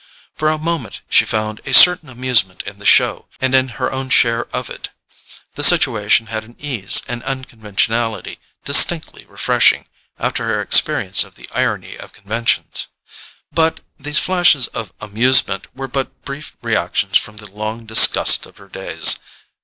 For a moment she found a certain amusement in the show, and in her own share of it: the situation had an ease and unconventionality distinctly refreshing after her experience of the irony of conventions. But these flashes of amusement were but brief reactions from the long disgust of her days.